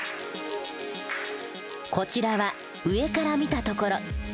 こちらは上から見たところ。